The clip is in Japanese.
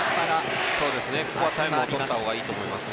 ここはタイムをとった方がいいと思いますね。